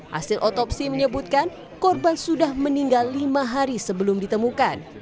hasil otopsi menyebutkan korban sudah meninggal lima hari sebelum ditemukan